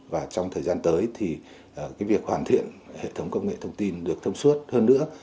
và trong thời gian tới thì việc hoàn thiện hệ thống công nghệ thông tin được thông suốt hơn nữa